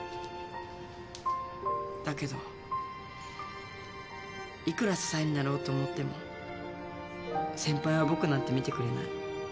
だけどいくら支えになろうと思っても先輩は僕なんて見てくれない。